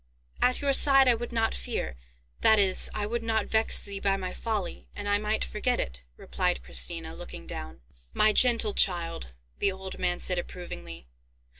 "At your side I would not fear. That is, I would not vex thee by my folly, and I might forget it," replied Christina, looking down. "My gentle child!" the old man said approvingly.